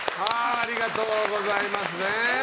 ありがとうございますね。